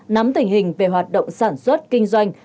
nắm tình hình về hoạt động sản xuất kinh doanh